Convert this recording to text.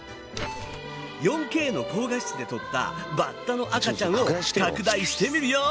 ４Ｋの高画質で撮ったバッタの赤ちゃんを拡大してみるよ！